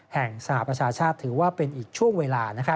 สหประชาชาติถือว่าเป็นอีกช่วงเวลา